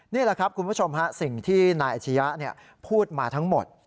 นี่แหละครับคุณผู้ชมฮะสิ่งที่นายอาชียะพูดมาทั้งหมด